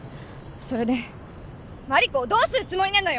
それで茉莉子をどうするつもりなのよ！